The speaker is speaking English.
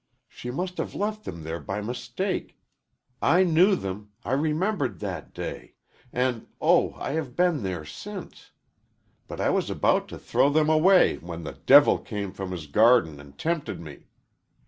She must have left them there by mistake. I knew them I remembered that day and, oh, I have been there since. But I was about to throw them away when the devil came from his garden and tempted me.